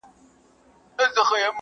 څوک به د خوشال له توري ومینځي زنګونه!